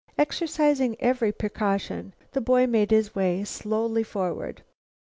Exercising every precaution, the boy made his way slowly forward.